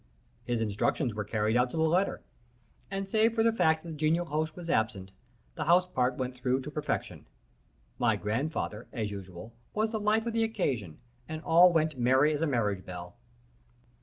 His instructions were carried out to the letter, and, save for the fact that the genial host was absent, the house part went through to perfection. My grandfather, as usual, was the life of the occasion, and all went merry as a marriage bell.